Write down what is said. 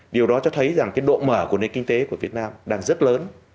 điều đó cho thấy rằng cái độ mở của nền kinh tế của việt nam đang rất lớn